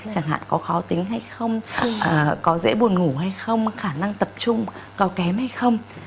chẳng hạn có khó tính hay không có dễ buồn ngủ hay không khả năng tập trung có kém hay không